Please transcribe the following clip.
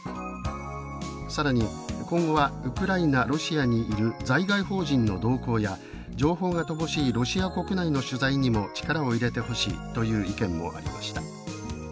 更に「今後はウクライナロシアにいる在外邦人の動向や情報が乏しいロシア国内の取材にも力を入れてほしい」という意見もありました。